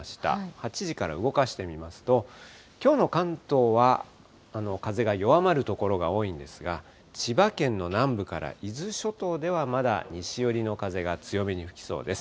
８時から動かしてみますと、きょうの関東は、風が弱まる所が多いんですが、千葉県の南部から伊豆諸島ではまだ西寄りの風が強めに吹きそうです。